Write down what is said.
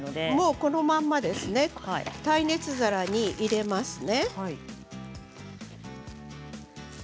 このまま耐熱皿に入れますね。